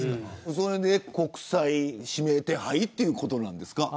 それで国際指名手配ということですか。